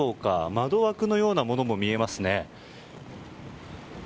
窓枠のようなものも見えますね。